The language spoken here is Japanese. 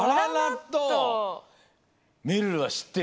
めるるはしってる？